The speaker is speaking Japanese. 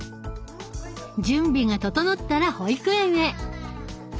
準備が整ったら保育園へ！